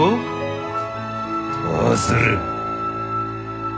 どうする？